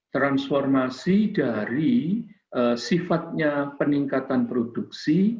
transformasi dari sifatnya peningkatan produksi